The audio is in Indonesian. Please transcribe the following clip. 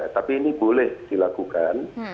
tapi ini boleh dilakukan